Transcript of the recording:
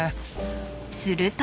［すると］